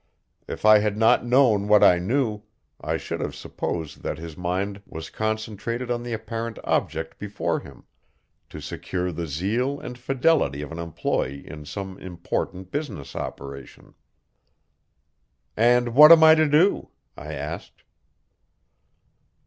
If I had not known what I knew, I should have supposed that his mind was concentrated on the apparent object before him to secure the zeal and fidelity of an employee in some important business operation. "And what am I to do?" I asked.